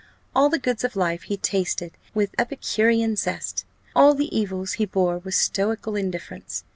All the goods of life he tasted with epicurean zest; all the evils he bore with stoical indifference.